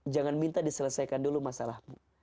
jangan minta diselesaikan dulu masalahmu